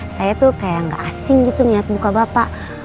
saya tuh kayak gak asing gitu niat muka bapak